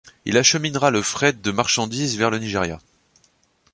Il acheminera le fret de marchandises vers le Nigéria.